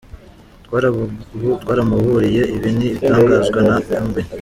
Twaramuburiye, ibi ni ibitangazwa na Amb.